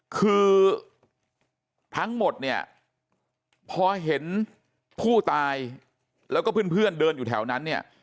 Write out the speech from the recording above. คือทั้งหมดเนี่ยพอเห็นผู้ตายแล้วก็เพื่อนเดินอยู่แถวนั้นเนี่ย